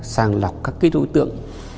sàng lọc các cái đối tượng